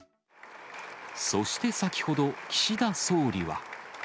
そして先ほど、岸田総理は。